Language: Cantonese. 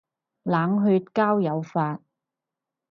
冷血交友法